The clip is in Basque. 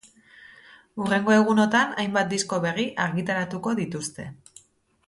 Hurrengo egunotan, hainbat disko berri argitaratuko dituzte.